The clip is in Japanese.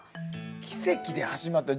奇跡で始まった。